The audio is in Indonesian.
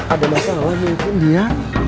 ada masalah mungkin dia